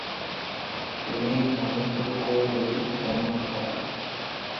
তুমি মানুহটো ক'ৰ বুলি অনুমান কৰা?